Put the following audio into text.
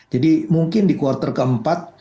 jadi mungkin di quarter keempat